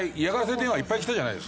電話いっぱい来たじゃないですか。